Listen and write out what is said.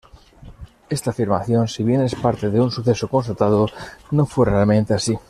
Esta afirmación si bien es parte de un suceso constatado, no fue realmente así.